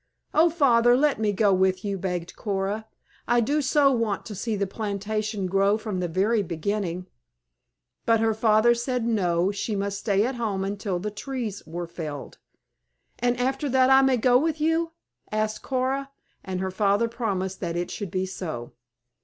"O Father, let me go with you!" begged Coora. "I do so want to see the plantation grow from the very beginning." But her father said No, she must stay at home until the trees were felled. "And after that may I go with you?" asked Coora. And her father promised that it should be so.